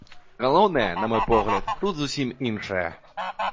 Галоўнае, на мой погляд, тут зусім іншае.